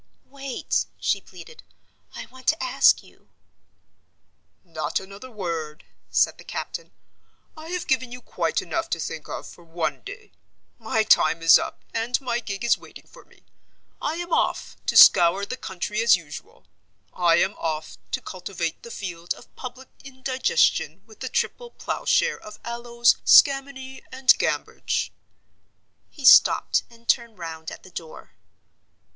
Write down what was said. "Wait!" she pleaded. "I want to ask you—" "Not another word," said the captain. "I have given you quite enough to think of for one day. My time is up, and my gig is waiting for me. I am off, to scour the country as usual. I am off, to cultivate the field of public indigestion with the triple plowshare of aloes, scammony and gamboge." He stopped and turned round at the door.